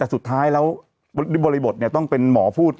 แต่สุดท้ายแล้วบริบทต้องเป็นหมอพูด